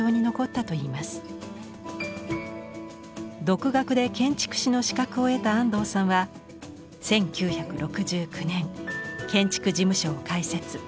独学で建築士の資格を得た安藤さんは１９６９年建築事務所を開設。